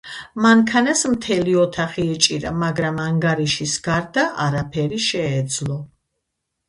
მანქანას მთელი ოთახი ეჭირა, მაგრამ ანგარიშის გარდა არაფერი შეეძლო